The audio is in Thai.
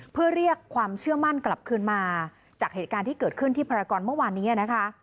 เพื่อเรียกความเชื่อมั่นกลับคืนมาจากเหตุการณ์ที่เกิดขึ้นที่ภารกรเมื่อวานนี้นะคะ